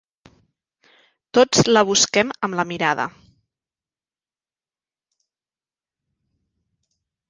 Tots la busquem amb la mirada.